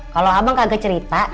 kalau abang kagak cerita